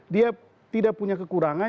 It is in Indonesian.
dia tidak punya kekurangan